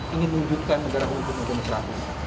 ingin menunjukkan negara hukum hukum